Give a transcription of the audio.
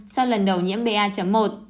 sau lần đầu nhiễm ba một